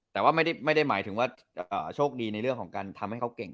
แต่ว่าไม่ได้หมายถึงว่าโชคดีในเรื่องของการทำให้เขาเก่ง